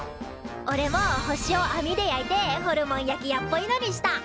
おれも星をあみで焼いてホルモン焼き屋っぽいのにした。